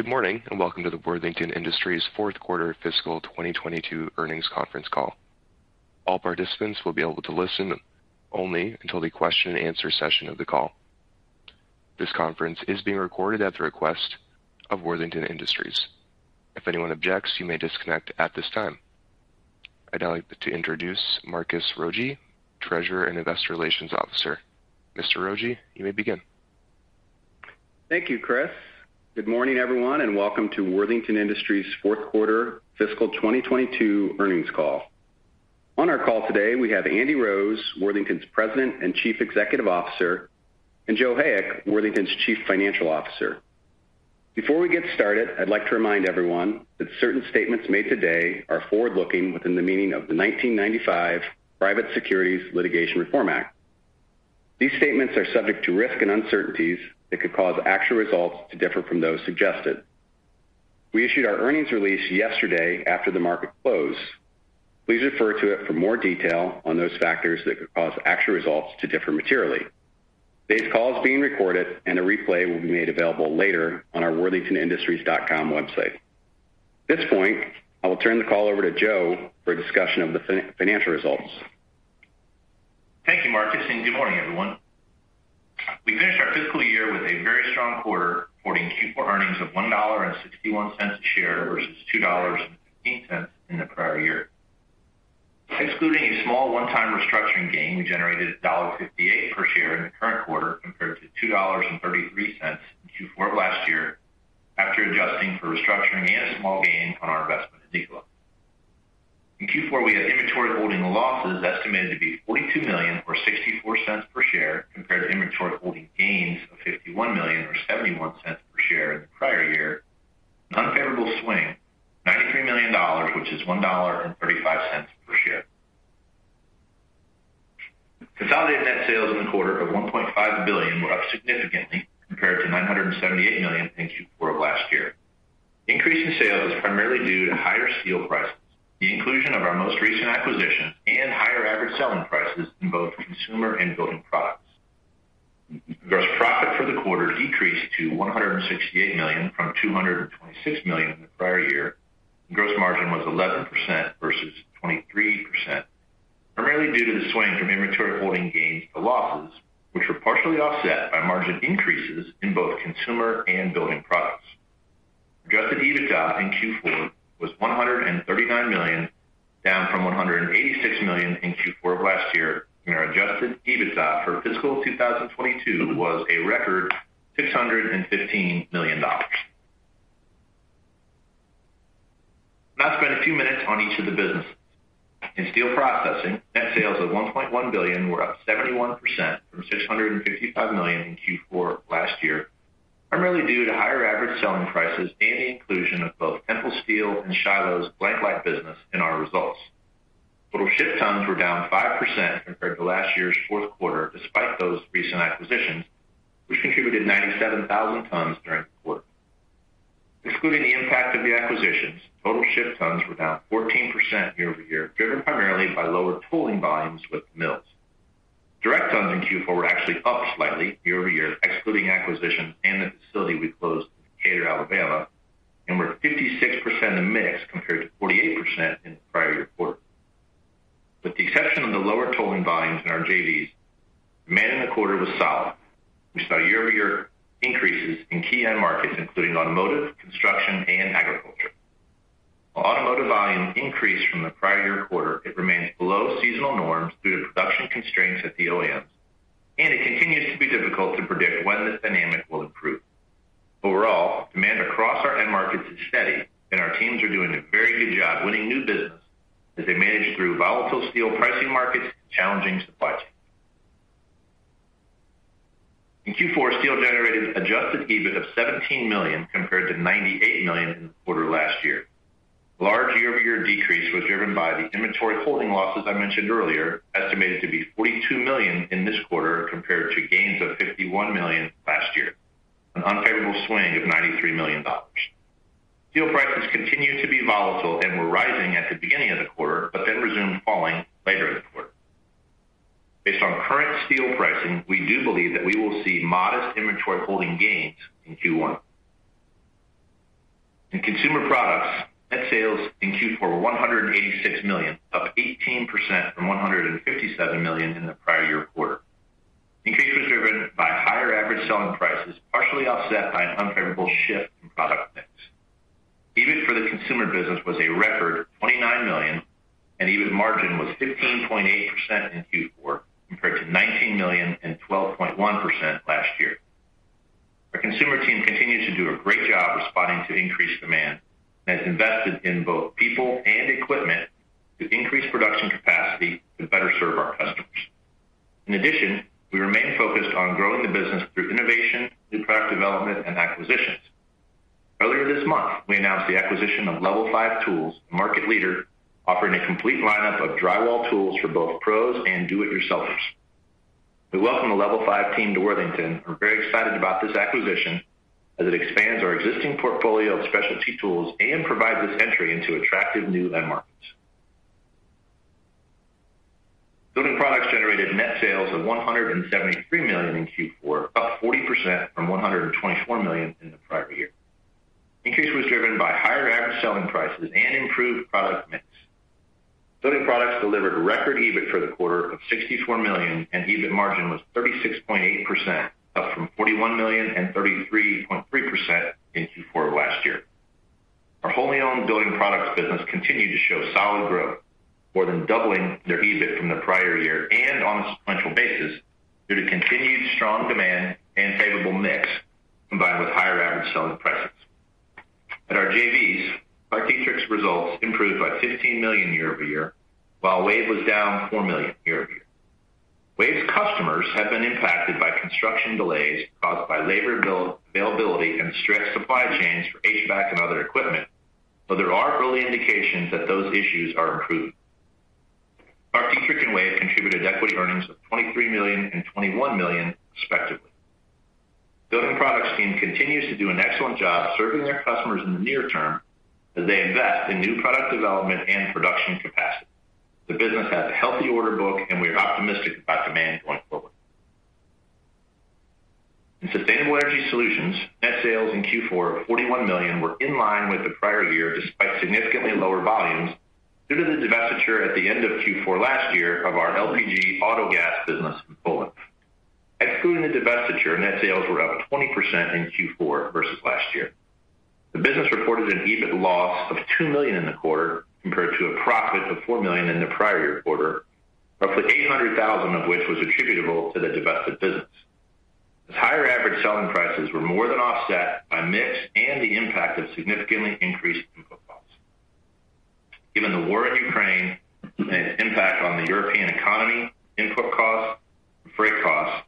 Good morning, and welcome to the Worthington Industries fourth quarter fiscal 2022 earnings conference call. All participants will be able to listen only until the question-and-answer session of the call. This conference is being recorded at the request of Worthington Industries. If anyone objects, you may disconnect at this time. I'd now like to introduce Marcus Rogier, Treasurer and Investor Relations Officer. Mr. Rogier, you may begin. Thank you, Chris. Good morning, everyone, and welcome to Worthington Industries fourth quarter fiscal 2022 earnings call. On our call today, we have Andy Rose, Worthington's President and Chief Executive Officer, and Joe Hayek, Worthington's Chief Financial Officer. Before we get started, I'd like to remind everyone that certain statements made today are forward-looking within the meaning of the 1995 Private Securities Litigation Reform Act. These statements are subject to risk and uncertainties that could cause actual results to differ from those suggested. We issued our earnings release yesterday after the market closed. Please refer to it for more detail on those factors that could cause actual results to differ materially. Today's call is being recorded and a replay will be made available later on our worthingtonindustries.com website. At this point, I will turn the call over to Joe for a discussion of the financial results. Thank you, Marcus, and good morning, everyone. We finished our fiscal year with a very strong quarter, reporting Q4 earnings of $1.61 a share versus $2.15 in the prior year. Excluding a small one-time restructuring gain, we generated $1.58 per share in the current quarter compared to $2.33 in Q4 of last year after adjusting for restructuring and a small gain on our investment in Eagle. In Q4, we had inventory holding losses estimated to be $42 million or $0.64 per share compared to inventory holding gains of $51 million or $0.71 per share in the prior year, an unfavorable swing of $93 million, which is $1.35 per share. Consolidated net sales in the quarter of $1.5 billion were up significantly compared to $978 million in Q4 of last year. Increase in sales is primarily due to higher steel prices, the inclusion of our most recent acquisitions, and higher average selling prices in both Consumer and Building Products. Gross profit for the quarter decreased to $168 million from $226 million in the prior year. Gross margin was 11% versus 23%, primarily due to the swing from inventory holding gains to losses, which were partially offset by margin increases in both Consumer and Building Products. Adjusted EBITDA in Q4 was $139 million, down from $186 million in Q4 of last year, and our adjusted EBITDA for fiscal 2022 was a record $615 million. Now I'll spend a few minutes on each of the businesses. In Steel Processing, net sales of $1.1 billion were up 71% from $655 million in Q4 last year, primarily due to higher average selling prices and the inclusion of both Tempel Steel and Shiloh's BlankLight business in our results. Total shipped tons were down 5% compared to last year's fourth quarter, despite those recent acquisitions, which contributed 97,000 tons during the quarter. Excluding the impact of the acquisitions, total shipped tons were down 14% year-over-year, driven primarily by lower tolling volumes with mills. Direct tons in Q4 were actually up slightly year-over-year, excluding acquisitions and the facility we closed in Decatur, Alabama, and were 56% of mix compared to 48% in the prior year quarter. With the exception of the lower tolling volumes in our JVs, demand in the quarter was solid. We saw year-over-year increases in key end markets, including automotive, construction, and agriculture. While automotive volumes increased from the prior year quarter, it remains below seasonal norms due to production constraints at the OEMs, and it continues to be difficult to predict when this dynamic will improve. Overall, demand across our end markets is steady, and our teams are doing a very good job winning new business as they manage through volatile steel pricing markets and challenging supply chains. In Q4, steel generated adjusted EBIT of $17 million compared to $98 million in the quarter last year. Large year-over-year decrease was driven by the inventory holding losses I mentioned earlier, estimated to be $42 million in this quarter compared to gains of $51 million last year, an unfavorable swing of $93 million. Steel prices continued to be volatile and were rising at the beginning of the quarter, but then resumed falling later in the quarter. Based on current steel pricing, we do believe that we will see modest inventory holding gains in Q1. In Consumer Products, net sales in Q4 were $186 million, up 18% from $157 million in the prior year quarter. Increase was driven by higher average selling prices, partially offset by an unfavorable shift in product mix. EBIT for the consumer business was a record $29 million, and EBIT margin was 15.8% in Q4 compared to $19 million and 12.1% last year. Our consumer team continues to do a great job responding to increased demand and has invested in both people and equipment to increase production capacity to better serve our customers. In addition, we remain focused on growing the business through innovation, new product development, and acquisitions. Earlier this month, we announced the acquisition of Level5 Tools, a market leader offering a complete lineup of drywall tools for both pros and do-it-yourselfers. We welcome the Level5 team to Worthington. We're very excited about this acquisition as it expands our existing portfolio of specialty tools and provides us entry into attractive new end markets. Building Products generated net sales of $173 million in Q4, up 40% from $124 million in the prior year. Increase was driven by higher average selling prices and improved product mix. Building Products delivered record EBIT for the quarter of $64 million, and EBIT margin was 36.8%, up from $41 million and 33.3% in Q4 last year. Our wholly owned Building Products business continued to show solid growth, more than doubling their EBIT from the prior year and on a sequential basis due to continued strong demand and favorable mix, combined with higher average selling prices. At our JVs, ClarkDietrich's results improved by $15 million year-over-year, while WAVE was down $4 million year-over-year. WAVE's customers have been impacted by construction delays caused by labor availability and stretched supply chains for HVAC and other equipment, but there are early indications that those issues are improving. ClarkDietrich and WAVE contributed equity earnings of $23 million and $21 million, respectively. Building Products team continues to do an excellent job serving their customers in the near term as they invest in new product development and production capacity. The business has a healthy order book, and we are optimistic about demand going forward. In Sustainable Energy Solutions, net sales in Q4 of $41 million were in line with the prior year despite significantly lower volumes due to the divestiture at the end of Q4 last year of our LPG Auto Gas business in Poland. Excluding the divestiture, net sales were up 20% in Q4 versus last year. The business reported an EBIT loss of $2 million in the quarter compared to a profit of $4 million in the prior year quarter, roughly $800,000 of which was attributable to the divested business, as higher average selling prices were more than offset by mix and the impact of significantly increased input costs. Given the war in Ukraine and its impact on the European economy, input costs, and freight costs,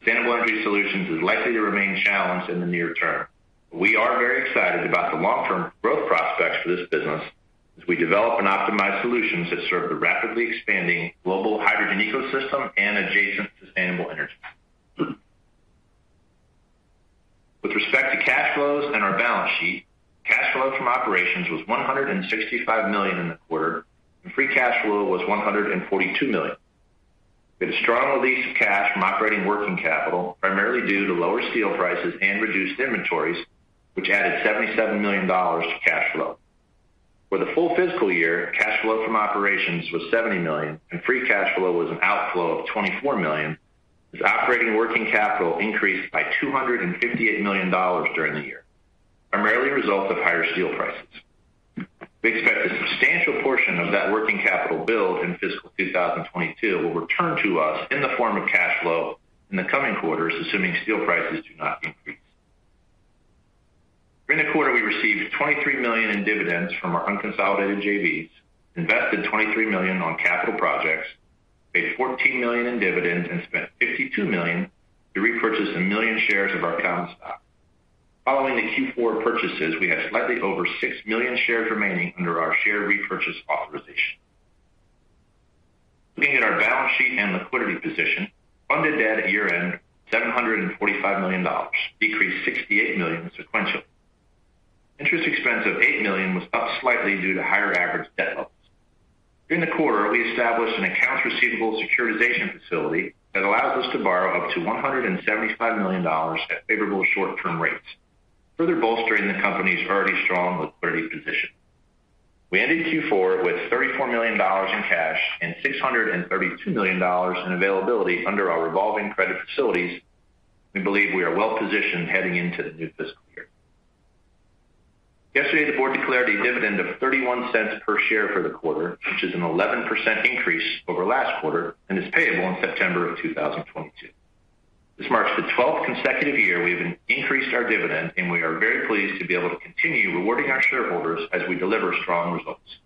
Sustainable Energy Solutions is likely to remain challenged in the near term. We are very excited about the long-term growth prospects for this business as we develop and optimize solutions that serve the rapidly expanding global hydrogen ecosystem and adjacent sustainable energy. With respect to cash flows and our balance sheet, cash flow from operations was $165 million in the quarter, and free cash flow was $142 million. We had a strong release of cash from operating working capital, primarily due to lower steel prices and reduced inventories, which added $77 million to cash flow. For the full fiscal year, cash flow from operations was $70 million, and free cash flow was an outflow of $24 million, as operating working capital increased by $258 million during the year, primarily a result of higher steel prices. We expect a substantial portion of that working capital build in fiscal 2022 will return to us in the form of cash flow in the coming quarters, assuming steel prices do not increase. During the quarter, we received $23 million in dividends from our unconsolidated JVs, invested $23 million on capital projects, paid $14 million in dividends, and spent $52 million to repurchase 1 million shares of our common stock. Following the Q4 purchases, we have slightly over 6 million shares remaining under our share repurchase authorization. Looking at our balance sheet and liquidity position, funded debt at year-end, $745 million, decreased $68 million sequentially. Interest expense of $8 million was up slightly due to higher average debt levels. During the quarter, we established an accounts receivable securitization facility that allows us to borrow up to $175 million at favorable short-term rates, further bolstering the company's already strong liquidity position. We ended Q4 with $34 million in cash and $632 million in availability under our revolving credit facilities. We believe we are well-positioned heading into the new fiscal year. Yesterday, the board declared a dividend of $0.31 per share for the quarter, which is an 11% increase over last quarter and is payable in September of 2022. This marks the 12th consecutive year we have increased our dividend, and we are very pleased to be able to continue rewarding our shareholders as we deliver strong results.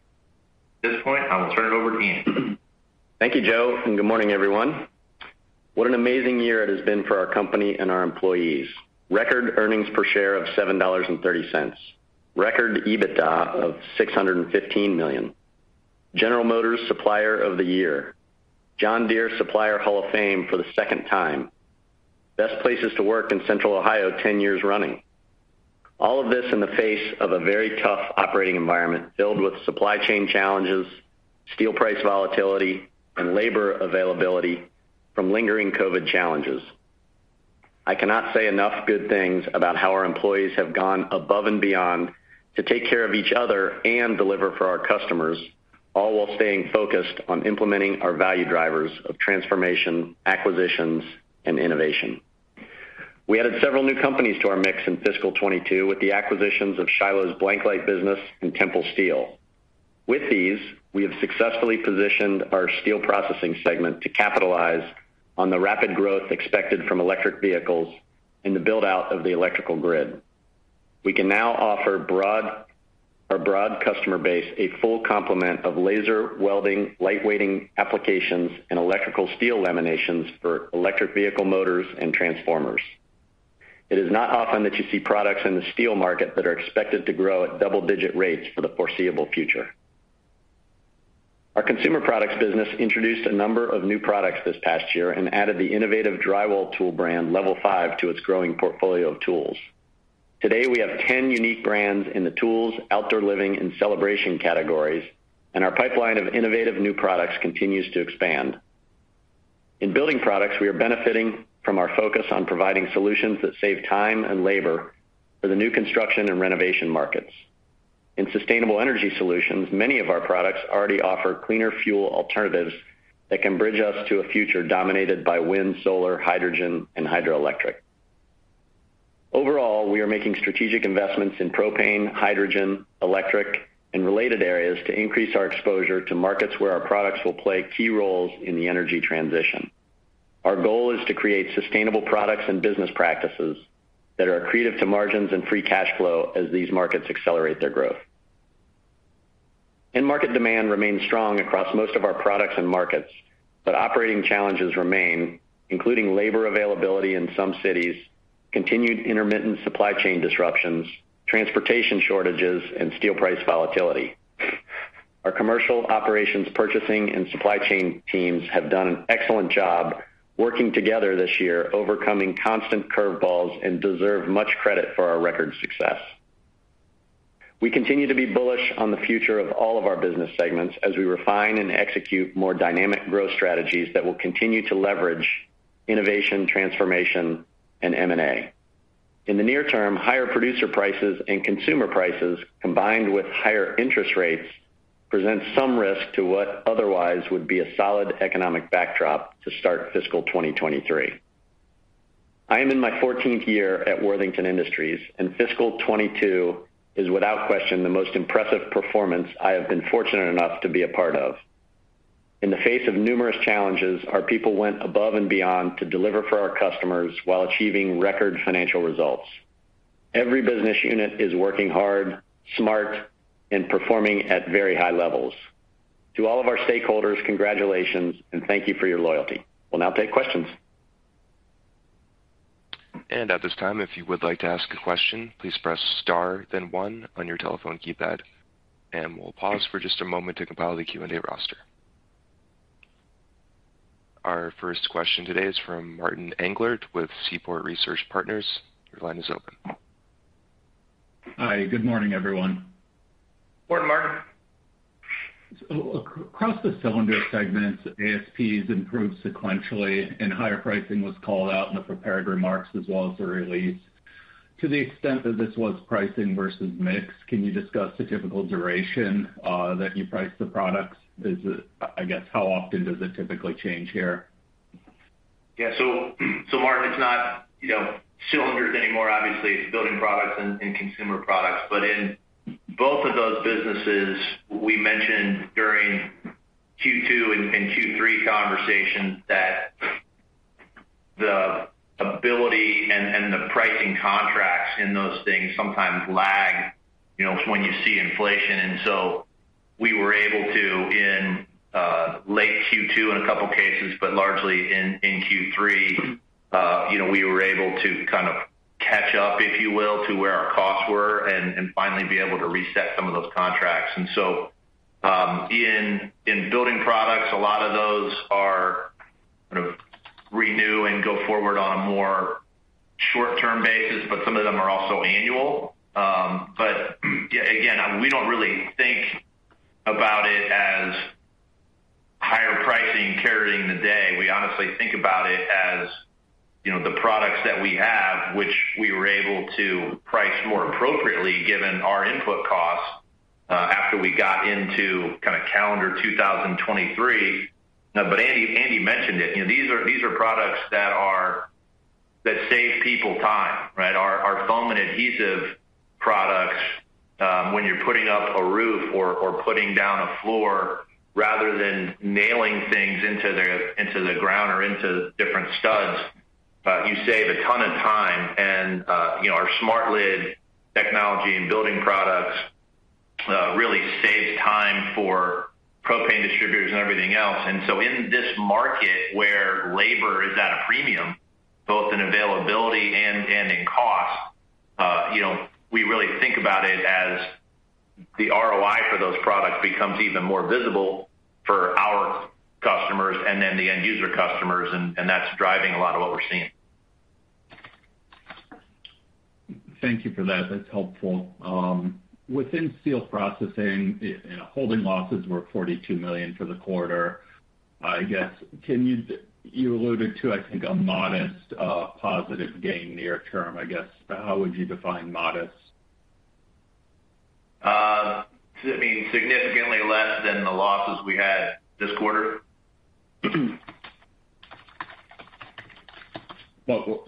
At this point, I will turn it over to Andy. Thank you, Joe, and good morning, everyone. What an amazing year it has been for our company and our employees. Record earnings per share of $7.30. Record EBITDA of $615 million. General Motors Supplier of the Year. John Deere Supplier Hall of Fame for the second time. Best Places to Work in Central Ohio 10 years running. All of this in the face of a very tough operating environment filled with supply chain challenges, steel price volatility, and labor availability from lingering COVID challenges. I cannot say enough good things about how our employees have gone above and beyond to take care of each other and deliver for our customers, all while staying focused on implementing our value drivers of transformation, acquisitions, and innovation. We added several new companies to our mix in fiscal 2022 with the acquisitions of Shiloh Industries' BlankLight business and Tempel Steel. With these, we have successfully positioned our Steel Processing segment to capitalize on the rapid growth expected from electric vehicles and the build-out of the electrical grid. We can now offer our broad customer base a full complement of laser welding, lightweighting applications, and electrical steel laminations for electric vehicle motors and transformers. It is not often that you see products in the steel market that are expected to grow at double-digit rates for the foreseeable future. Our Consumer Products business introduced a number of new products this past year and added the innovative drywall tool brand Level5 to its growing portfolio of tools. Today, we have 10 unique brands in the tools, outdoor living, and celebration categories, and our pipeline of innovative new products continues to expand. In Building Products, we are benefiting from our focus on providing solutions that save time and labor for the new construction and renovation markets. In Sustainable Energy Solutions, many of our products already offer cleaner fuel alternatives that can bridge us to a future dominated by wind, solar, hydrogen, and hydroelectric. Overall, we are making strategic investments in propane, hydrogen, electric, and related areas to increase our exposure to markets where our products will play key roles in the energy transition. Our goal is to create sustainable products and business practices that are accretive to margins and free cash flow as these markets accelerate their growth. End market demand remains strong across most of our products and markets, but operating challenges remain, including labor availability in some cities, continued intermittent supply chain disruptions, transportation shortages, and steel price volatility. Our commercial operations purchasing and supply chain teams have done an excellent job working together this year, overcoming constant curveballs, and deserve much credit for our record success. We continue to be bullish on the future of all of our business segments as we refine and execute more dynamic growth strategies that will continue to leverage innovation, transformation, and M&A. In the near term, higher producer prices and consumer prices, combined with higher interest rates, present some risk to what otherwise would be a solid economic backdrop to start fiscal 2023. I am in my fourteenth year at Worthington Industries, and fiscal 2022 is, without question, the most impressive performance I have been fortunate enough to be a part of. In the face of numerous challenges, our people went above and beyond to deliver for our customers while achieving record financial results. Every business unit is working hard, smart, and performing at very high levels. To all of our stakeholders, congratulations, and thank you for your loyalty. We'll now take questions. At this time, if you would like to ask a question, please press star then one on your telephone keypad, and we'll pause for just a moment to compile the Q&A roster. Our first question today is from Martin Englert with Seaport Research Partners. Your line is open. Hi. Good morning, everyone. Morning, Martin. Across the cylinder segments, ASPs improved sequentially and higher pricing was called out in the prepared remarks as well as the release. To the extent that this was pricing versus mix, can you discuss the typical duration that you price the products? I guess, how often does it typically change here? Yeah. Martin, it's not, you know, cylinders anymore, obviously. It's Building Products and Consumer Products. In both of those businesses, we mentioned during Q2 and Q3 conversations that the ability and the pricing contracts in those things sometimes lag, you know, when you see inflation. We were able to in late Q2 in a couple cases, but largely in Q3, you know, we were able to kind of catch up, if you will, to where our costs were and finally be able to reset some of those contracts. In Building Products, a lot of those are sort of renew and go forward on a more short-term basis, but some of them are also annual. Yeah, again, we don't really think about it as higher pricing carrying the day. We honestly think about it as, you know, the products that we have, which we were able to price more appropriately given our input costs, after we got into kind of calendar 2023. Andy mentioned it. You know, these are products that save people time, right? Our foam and adhesive products, when you're putting up a roof or putting down a floor, rather than nailing things into the ground or into different studs, you save a ton of time. You know, our SmartLid technology and Building Products really saves time for propane distributors and everything else. In this market where labor is at a premium, both in availability and in cost, you know, we really think about it as the ROI for those products becomes even more visible for our customers and then the end user customers, and that's driving a lot of what we're seeing. Thank you for that. That's helpful. Within Steel Processing, you know, holding losses were $42 million for the quarter. I guess, you alluded to, I think, a modest positive gain near term. I guess, how would you define modest? I mean, significantly less than the losses we had this quarter. Well,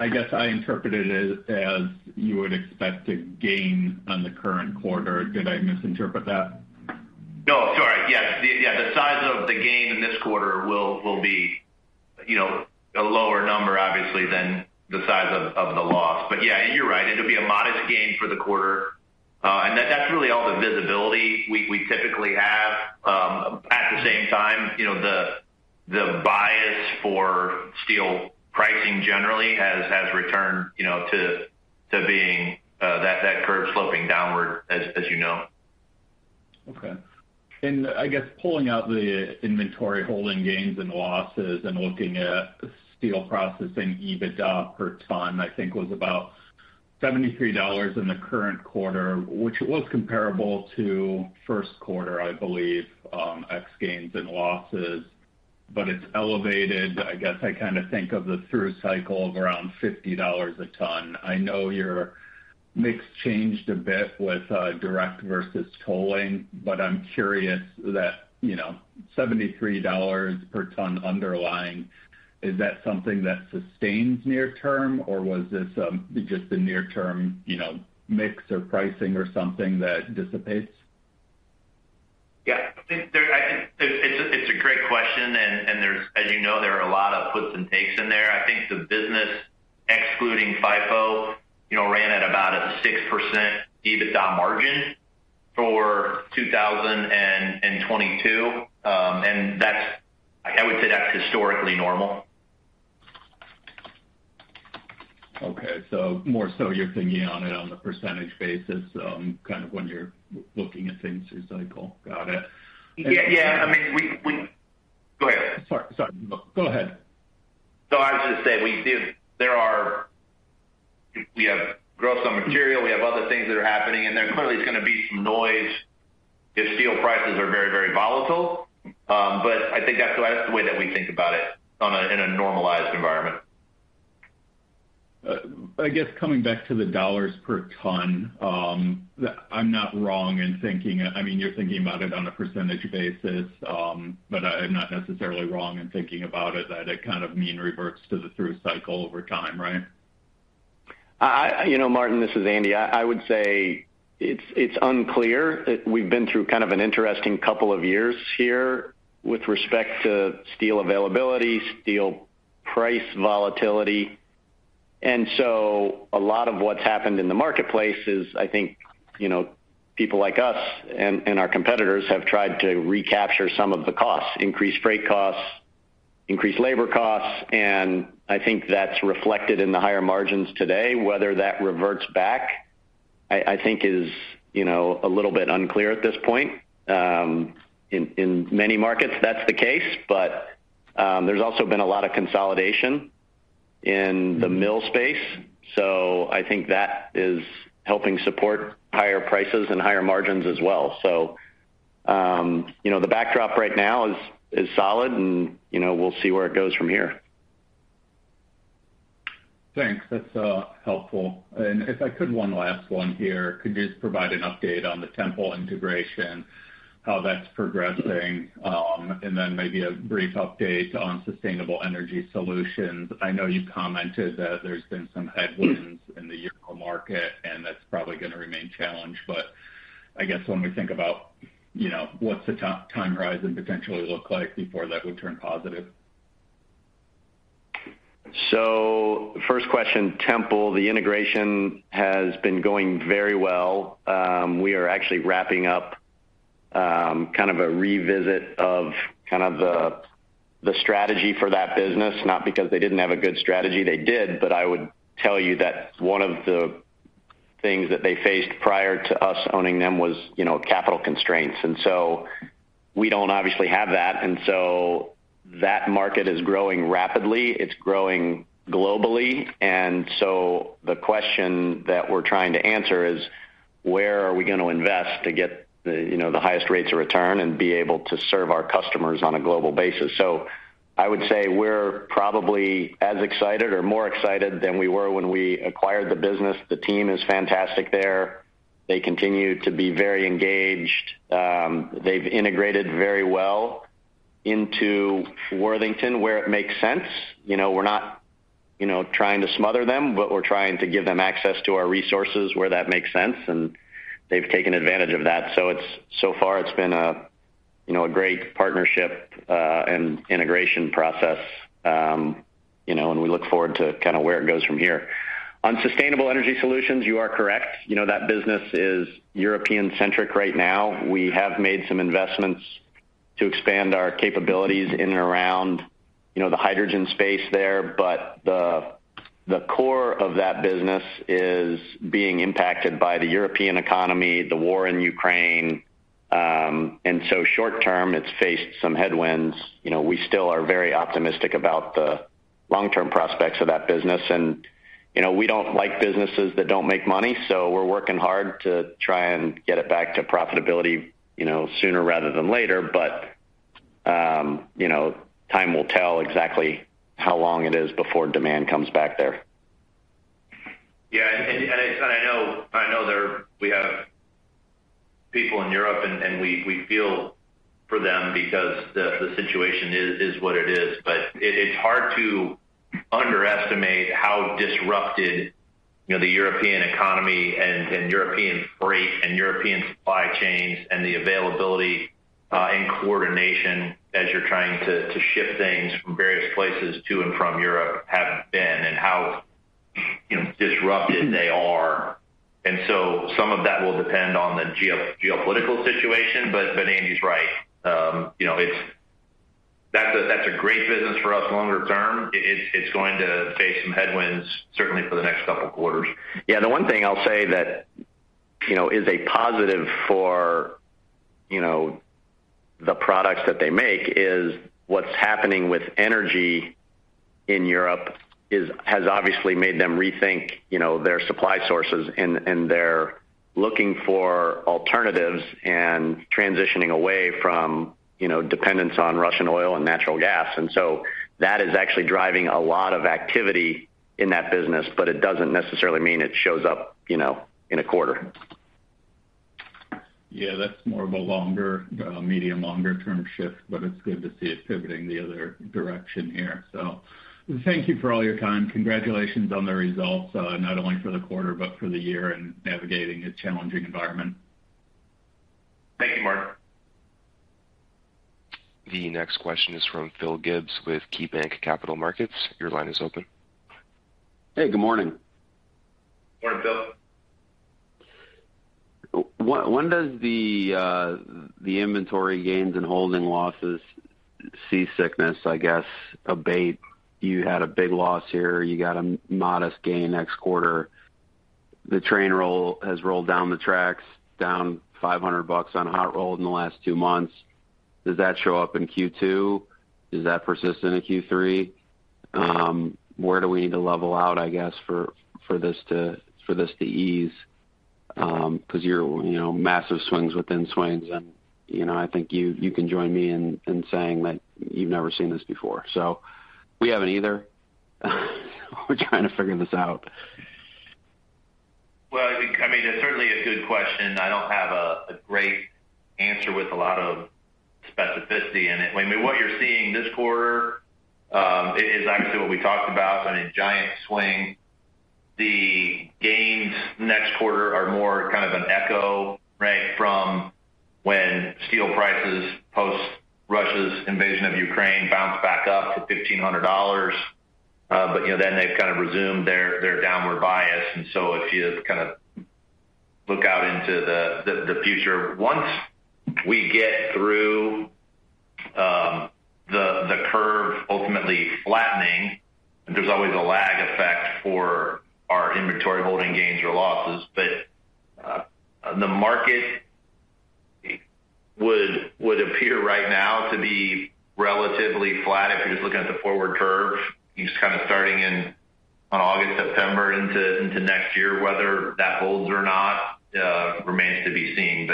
I guess I interpreted it as you would expect a gain on the current quarter. Did I misinterpret that? No. Sorry. Yes. Yeah, the size of the gain in this quarter will be, you know, a lower number obviously than the size of the loss. Yeah, you're right. It'll be a modest gain for the quarter. That's really all the visibility we typically have. At the same time, you know, the bias for steel pricing generally has returned, you know, to being that curve sloping downward as you know. Okay. I guess pulling out the inventory holding gains and losses and looking at Steel Processing EBITDA per ton, I think was about $73 in the current quarter, which was comparable to first quarter, I believe, ex gains and losses. But it's elevated. I guess I kind of think of the through cycle of around $50 a ton. I know your mix changed a bit with direct versus tolling, but I'm curious that, you know, $73 per ton underlying, is that something that sustains near term, or was this just a near term, you know, mix or pricing or something that dissipates? I think it's a great question, and there's, as you know, a lot of puts and takes in there. I think the business excluding FIFO, you know, ran at about a 6% EBITDA margin for 2022, and that's, I would say, historically normal. Okay. More so you're thinking on it on the percentage basis, kind of when you're looking at things through cycle. Got it. Yeah. I mean, we go ahead. Sorry. No, go ahead. I was just saying we have growth on material, we have other things that are happening, and there clearly is gonna be some noise if steel prices are very, very volatile. But I think that's the way that we think about it in a normalized environment. I guess coming back to the dollars per ton, I'm not wrong in thinking, I mean, you're thinking about it on a percentage basis, but I'm not necessarily wrong in thinking about it, that it kind of mean reverts to the through cycle over time, right? You know, Martin, this is Andy. I would say it's unclear. We've been through kind of an interesting couple of years here with respect to steel availability, steel price volatility. A lot of what's happened in the marketplace is I think, you know, people like us and our competitors have tried to recapture some of the costs, increased freight costs, increased labor costs, and I think that's reflected in the higher margins today. Whether that reverts back, I think is a little bit unclear at this point. In many markets, that's the case. But there's also been a lot of consolidation in the mill space. I think that is helping support higher prices and higher margins as well. You know, the backdrop right now is solid and, you know, we'll see where it goes from here. Thanks. That's helpful. If I could one last one here. Could you just provide an update on the Tempel integration, how that's progressing? Then maybe a brief update on Sustainable Energy Solutions. I know you've commented that there's been some headwinds in the year for market, and that's probably gonna remain challenged. I guess when we think about, you know, what's the time horizon potentially look like before that would turn positive. First question, Tempel. The integration has been going very well. We are actually wrapping up kind of a revisit of kind of the strategy for that business, not because they didn't have a good strategy, they did, but I would tell you that one of the things that they faced prior to us owning them was, you know, capital constraints. We don't obviously have that. That market is growing rapidly. It's growing globally. The question that we're trying to answer is. Where are we gonna invest to get the, you know, the highest rates of return and be able to serve our customers on a global basis? I would say we're probably as excited or more excited than we were when we acquired the business. The team is fantastic there. They continue to be very engaged. They've integrated very well into Worthington where it makes sense. You know, we're not, you know, trying to smother them, but we're trying to give them access to our resources where that makes sense, and they've taken advantage of that. So far it's been a, you know, a great partnership, and integration process. You know, and we look forward to kinda where it goes from here. On Sustainable Energy Solutions, you are correct. You know, that business is European-centric right now. We have made some investments to expand our capabilities in and around, you know, the hydrogen space there. But the core of that business is being impacted by the European economy, the war in Ukraine. Short term, it's faced some headwinds. You know, we still are very optimistic about the long-term prospects of that business. You know, we don't like businesses that don't make money, so we're working hard to try and get it back to profitability, you know, sooner rather than later. You know, time will tell exactly how long it is before demand comes back there. Yeah. I know that we have people in Europe and we feel for them because the situation is what it is. It's hard to underestimate how disrupted, you know, the European economy and European freight and European supply chains and the availability and coordination as you're trying to ship things from various places to and from Europe have been and how, you know, disrupted they are. Some of that will depend on the geopolitical situation. Andy's right. You know, it's Longer term, it's going to face some headwinds certainly for the next couple quarters. Yeah. The one thing I'll say that, you know, is a positive for, you know, the products that they make is what's happening with energy in Europe has obviously made them rethink, you know, their supply sources, and they're looking for alternatives and transitioning away from, you know, dependence on Russian oil and natural gas. That is actually driving a lot of activity in that business, but it doesn't necessarily mean it shows up, you know, in a quarter. Yeah. That's more of a longer, medium, longer term shift, but it's good to see it pivoting the other direction here. Thank you for all your time. Congratulations on the results, not only for the quarter but for the year and navigating a challenging environment. Thank you, Martin Englert. The next question is from Phil Gibbs with KeyBanc Capital Markets. Your line is open. Hey, good morning. Morning, Phil. When does the inventory gains and holding losses cease, I guess, abate? You had a big loss here. You got a modest gain next quarter. The trend has rolled down the tracks, down $500 on hot roll in the last two months. Does that show up in Q2? Does that persist into Q3? Where do we need to level out, I guess, for this to ease? 'Cause you're, you know, massive swings within swings and, you know, I think you can join me in saying that you've never seen this before. We haven't either. We're trying to figure this out. Well, I think I mean, it's certainly a good question. I don't have a great answer with a lot of specificity in it. I mean, what you're seeing this quarter is actually what we talked about on a giant swing. The gains next quarter are more kind of an echo, right, from when steel prices post Russia's invasion of Ukraine bounced back up to $1,500. But you know, then they've kind of resumed their downward bias. If you kind of look out into the future, once we get through the curve ultimately flattening, there's always a lag effect for our inventory holding gains or losses. The market would appear right now to be relatively flat if you're just looking at the forward curve. You're just kind of starting in on August, September into next year. Whether that holds or not remains to be seen.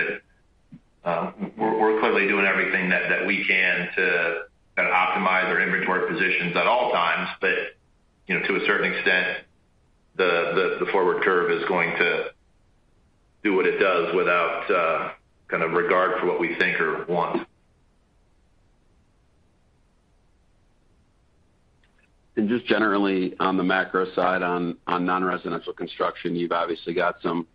We're clearly doing everything that we can to kind of optimize our inventory positions at all times. You know, to a certain extent, the forward curve is going to do what it does without kind of regard for what we think or want. Just generally on the macro side on non-residential construction, you've obviously got some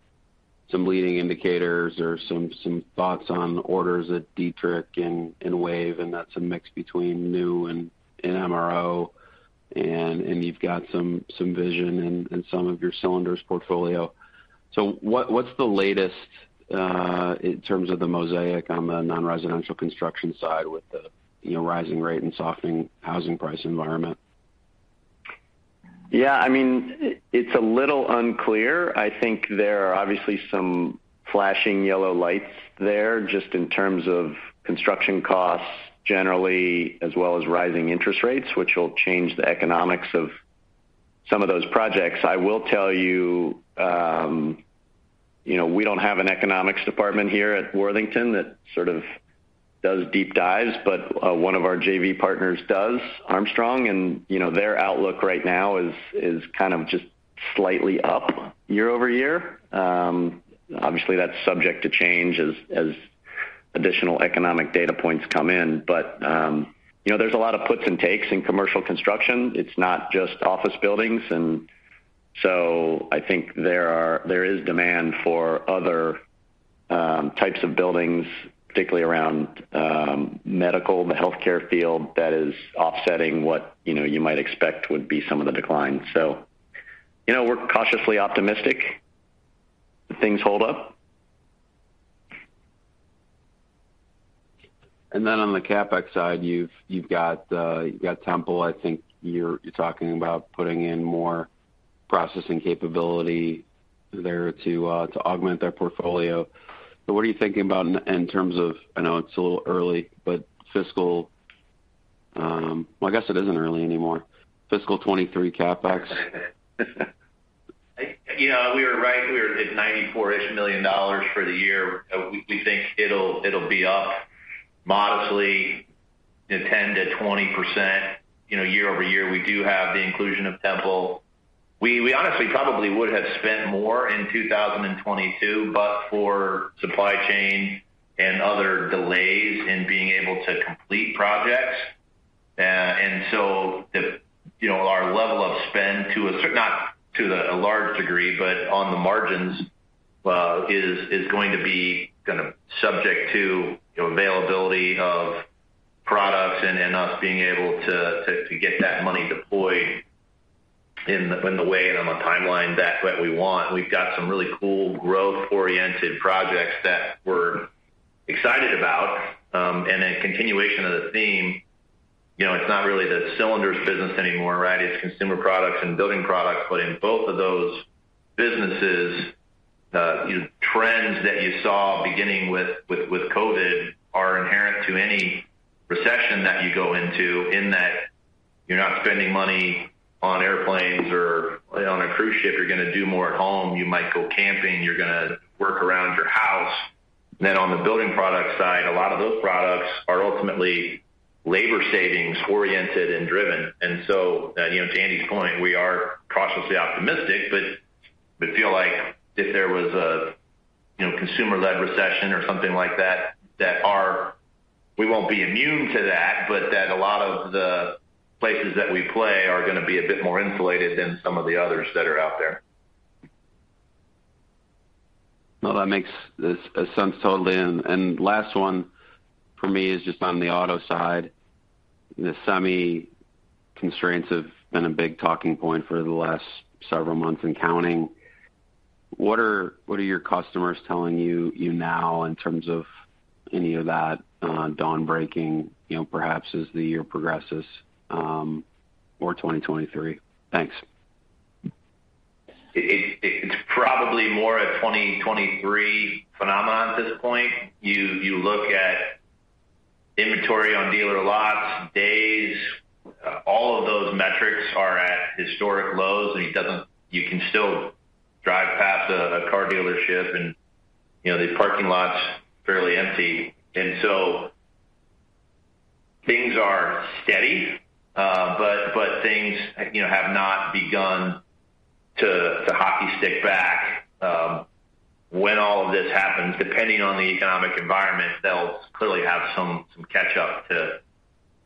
leading indicators or some thoughts on orders at Dietrich and WAVE, and that's a mix between new and MRO. You've got some visibility in some of your cylinders portfolio. What's the latest in terms of the mosaic on the non-residential construction side with the, you know, rising rate and softening housing price environment? Yeah. I mean, it's a little unclear. I think there are obviously some flashing yellow lights there just in terms of construction costs generally, as well as rising interest rates, which will change the economics of some of those projects. I will tell you know, we don't have an economics department here at Worthington that sort of does deep dives, but one of our JV partners does, Armstrong, and you know, their outlook right now is kind of just slightly up year-over-year. Obviously, that's subject to change as additional economic data points come in. You know, there's a lot of puts and takes in commercial construction. It's not just office buildings. I think there is demand for other types of buildings, particularly around medical, the healthcare field that is offsetting what, you know, you might expect would be some of the declines. You know, we're cautiously optimistic that things hold up. On the CapEx side, you've got Tempel. I think you're talking about putting in more processing capability there to augment their portfolio. What are you thinking about in terms of fiscal 2023 CapEx. I know it's a little early, but well, I guess it isn't early anymore. You know, we were right. We were at $94-ish million for the year. We think it'll be up modestly, you know, 10%-20%, you know, year-over-year. We do have the inclusion of Tempel. We honestly probably would have spent more in 2022, but for supply chain and other delays in being able to complete projects. Our level of spend, not to a large degree, but on the margins, is going to be kind of subject to, you know, availability of products and us being able to get that money deployed in the way and on the timeline that we want. We've got some really cool growth-oriented projects that we're excited about. A continuation of the theme, you know, it's not really the cylinders business anymore, right? It's Consumer Products and Building Products. In both of those businesses, trends that you saw beginning with COVID are inherent to any recession that you go into in that you're not spending money on airplanes or on a cruise ship. You're gonna do more at home. You might go camping, you're gonna work around your house. On the building product side, a lot of those products are ultimately labor savings oriented and driven. You know, to Andy's point, we are cautiously optimistic, but we feel like if there was a, you know, consumer-led recession or something like that, we won't be immune to that, but a lot of the places that we play are gonna be a bit more insulated than some of the others that are out there. Well, that makes sense totally. Last one for me is just on the auto side. The semi constraints have been a big talking point for the last several months and counting. What are your customers telling you now in terms of any of that, dawn breaking, you know, perhaps as the year progresses, or 2023? Thanks. It's probably more a 2023 phenomenon at this point. You look at inventory on dealer lots, days, all of those metrics are at historic lows. You can still drive past a car dealership and, you know, the parking lot's fairly empty. Things are steady, but things, you know, have not begun to hockey stick back. When all of this happens, depending on the economic environment, they'll clearly have some catch up to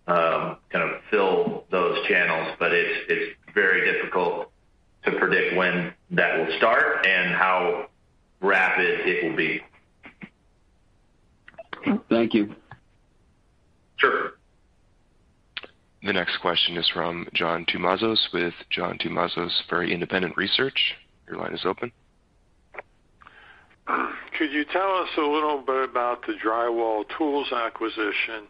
kind of fill those channels. It's very difficult to predict when that will start and how rapid it will be. Thank you. Sure. The next question is from John Tumazos with John Tumazos Very Independent Research. Your line is open. Could you tell us a little bit about the Level5 Tools acquisition,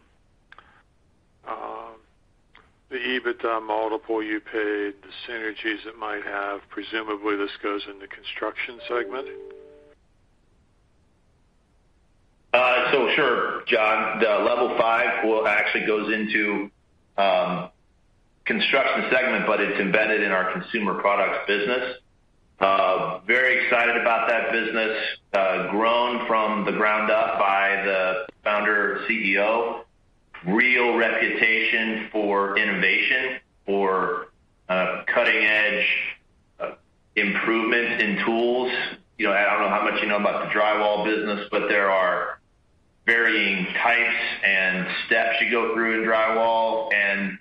the EBITDA multiple you paid, the synergies it might have? Presumably this goes in the construction segment. Sure, John. Level5 actually goes into construction segment, but it's embedded in our Consumer Products business. Very excited about that business. Grown from the ground up by the founder CEO. Real reputation for innovation, for cutting edge improvements in tools. You know, I don't know how much you know about the drywall business, but there are varying types and steps you go through in drywall, and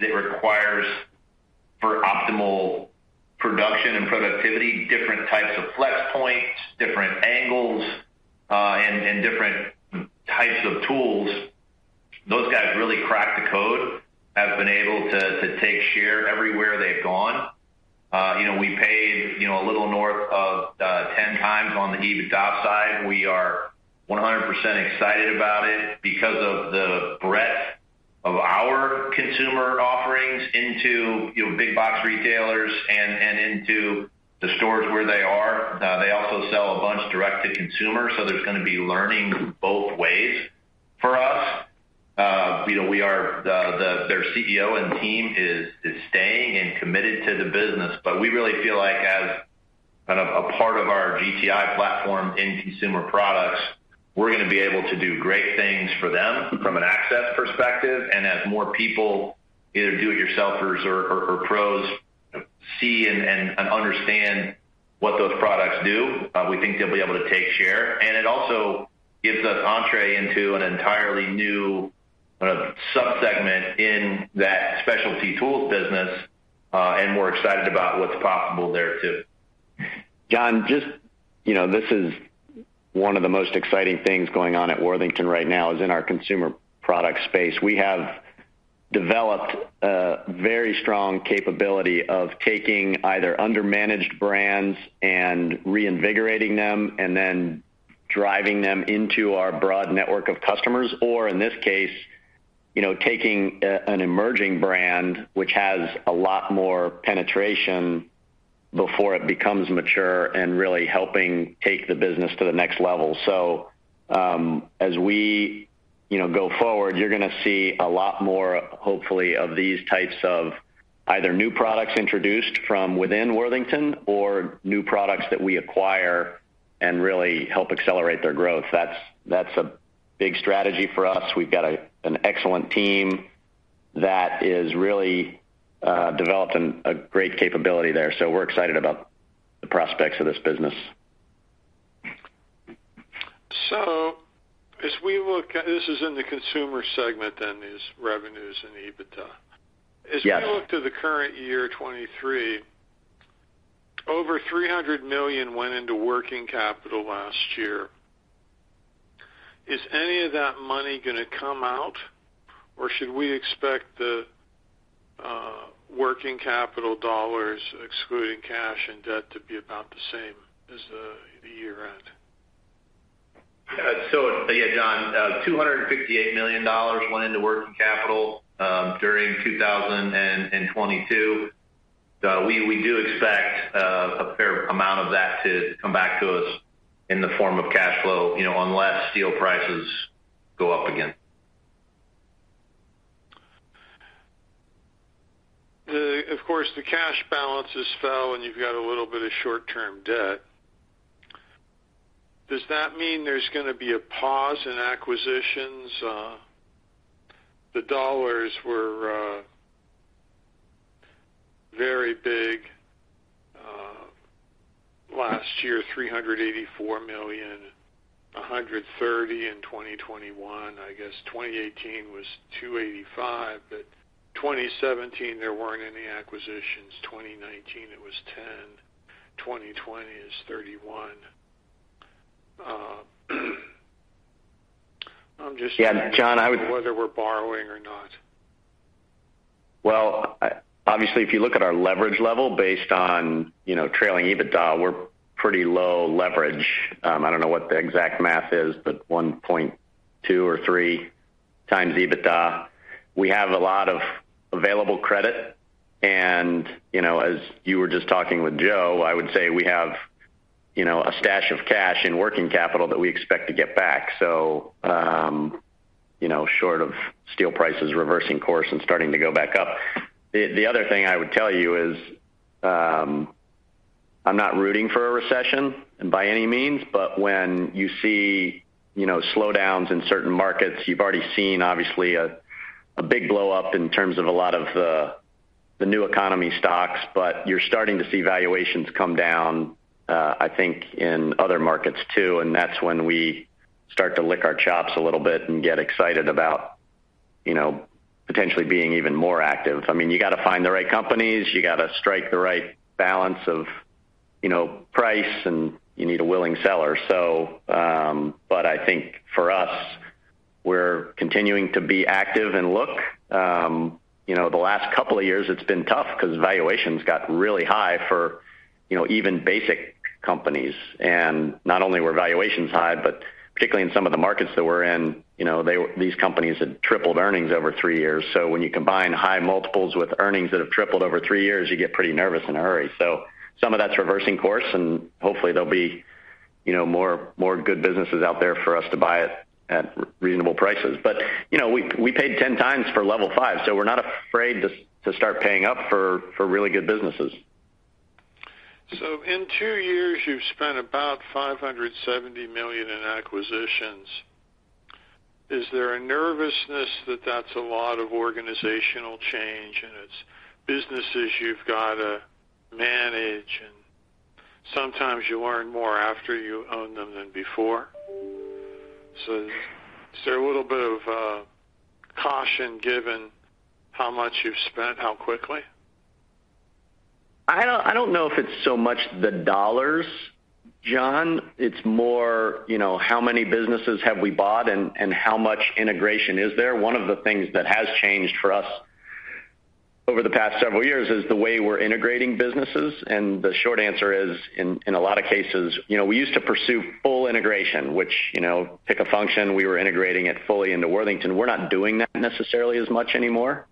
it requires for optimal production and productivity, different types of flex points, different angles, and different types of tools. Those guys really cracked the code, have been able to take share everywhere they've gone. You know, we paid a little north of 10x on the EBITDA side. We are 100% excited about it because of the breadth of our consumer offerings into, you know, big box retailers and into the stores where they are. They also sell a bunch direct to consumer, so there's gonna be learning both ways for us. You know, their CEO and team is staying and committed to the business. We really feel like as kind of a part of our GTI platform in Consumer Products, we're gonna be able to do great things for them from an access perspective. As more people either do-it-yourselfers or pros see and understand what those products do, we think they'll be able to take share. It also gives us entrée into an entirely new subsegment in that specialty tools business, and we're excited about what's possible there too. John, just, you know, this is one of the most exciting things going on at Worthington right now, in our consumer product space. We have developed a very strong capability of taking either undermanaged brands and reinvigorating them and then driving them into our broad network of customers, or in this case, you know, taking an emerging brand which has a lot more penetration before it becomes mature and really helping take the business to the next level. As we, you know, go forward, you're gonna see a lot more hopefully of these types of either new products introduced from within Worthington or new products that we acquire and really help accelerate their growth. That's a big strategy for us. We've got an excellent team that is really developing a great capability there. We're excited about the prospects of this business. As we look, this is in the consumer segment, then these revenues and EBITDA. Yes. As we look to the current year 2023, over $300 million went into working capital last year. Is any of that money gonna come out? Or should we expect the working capital dollars excluding cash and debt to be about the same as the year-end? Yeah, John Tumazos, $258 million went into working capital during 2022. We do expect a fair amount of that to come back to us in the form of cash flow, you know, unless steel prices go up again. Of course, the cash balances fell, and you've got a little bit of short-term debt. Does that mean there's gonna be a pause in acquisitions? The dollars were very big last year, $384 million, $130 million in 2021. I guess 2018 was $285 million, but 2017, there weren't any acquisitions. 2019, it was $10 million. 2020 is $31 million. I'm just Yeah, John, I would. wondering whether we're borrowing or not. Well, obviously, if you look at our leverage level based on, you know, trailing EBITDA, we're pretty low leverage. I don't know what the exact math is, but 1.2 or 3 times EBITDA. We have a lot of available credit. You know, as you were just talking with Joe, I would say we have, you know, a stash of cash in working capital that we expect to get back. You know, short of steel prices reversing course and starting to go back up. The other thing I would tell you is, I'm not rooting for a recession by any means, but when you see, you know, slowdowns in certain markets, you've already seen obviously a big blowup in terms of a lot of the new economy stocks, but you're starting to see valuations come down, I think in other markets, too, and that's when we start to lick our chops a little bit and get excited about, you know, potentially being even more active. I mean, you gotta find the right companies. You gotta strike the right balance of, you know, price, and you need a willing seller. I think for us, we're continuing to be active and look. You know, the last couple of years it's been tough 'cause valuations got really high for, you know, even basic companies. Not only were valuations high, but particularly in some of the markets that we're in, you know, these companies had tripled earnings over three years. When you combine high multiples with earnings that have tripled over three years, you get pretty nervous in a hurry. Some of that's reversing course, and hopefully there'll be, you know, more good businesses out there for us to buy at reasonable prices. You know, we paid 10x for Level 5, so we're not afraid to start paying up for really good businesses. In two years, you've spent about $570 million in acquisitions. Is there a nervousness that that's a lot of organizational change, and it's businesses you've gotta manage, and sometimes you learn more after you own them than before? Is there a little bit of caution given how much you've spent how quickly? I don't know if it's so much the dollars, John Tumazos. It's more, you know, how many businesses have we bought and how much integration is there. One of the things that has changed for us over the past several years is the way we're integrating businesses. The short answer is, in a lot of cases. You know, we used to pursue full integration, which, you know, pick a function, we were integrating it fully into Worthington. We're not doing that necessarily as much anymore,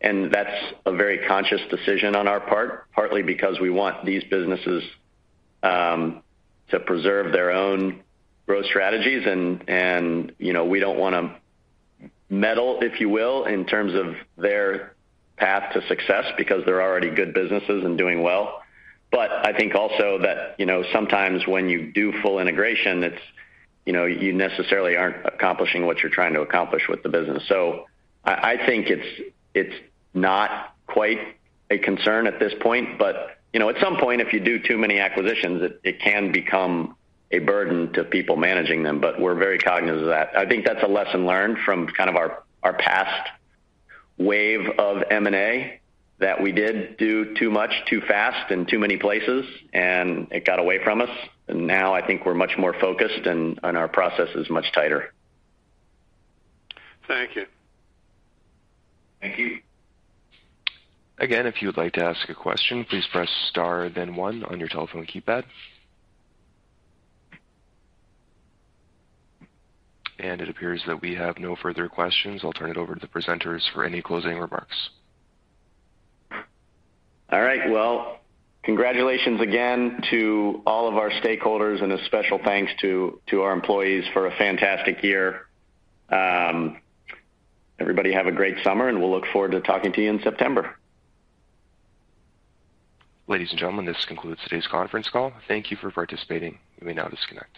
and that's a very conscious decision on our part, partly because we want these businesses to preserve their own growth strategies and, you know, we don't wanna meddle, if you will, in terms of their path to success because they're already good businesses and doing well. I think also that, you know, sometimes when you do full integration, it's, you know, you necessarily aren't accomplishing what you're trying to accomplish with the business. I think it's not quite a concern at this point, but, you know, at some point, if you do too many acquisitions, it can become a burden to people managing them, but we're very cognizant of that. I think that's a lesson learned from kind of our past wave of M&A, that we did do too much, too fast in too many places, and it got away from us. Now I think we're much more focused and our process is much tighter. Thank you. Thank you. Again, if you would like to ask a question, please press star then one on your telephone keypad. It appears that we have no further questions. I'll turn it over to the presenters for any closing remarks. All right. Well, congratulations again to all of our stakeholders, and a special thanks to our employees for a fantastic year. Everybody have a great summer, and we'll look forward to talking to you in September. Ladies and gentlemen, this concludes today's conference call. Thank you for participating. You may now disconnect.